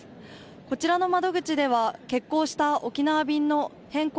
こちらの窓口では、欠航した沖縄便の変更